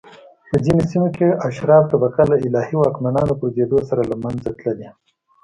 په ځینو سیمو کې اشراف طبقه له الهي واکمنانو پرځېدو سره له منځه تللي